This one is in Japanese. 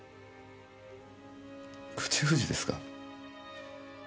口封じですか？